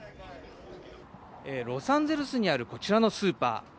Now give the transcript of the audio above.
ロサンゼルスにあるこちらのスーパー。